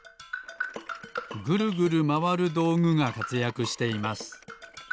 ぐるぐるまわるどうぐがかつやくしています。